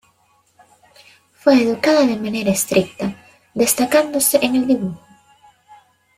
Fue educada de manera estricta, destacándose en el dibujo.